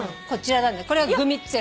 これがグミッツェル。